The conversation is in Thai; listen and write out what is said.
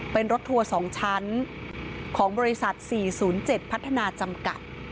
เป็นรถทัวร์๒ชั้นของบริษัท๔๐๗พัฒนาจำกัด